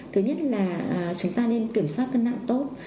thứ nhất là chúng ta nên kiểm soát cân nặng tốt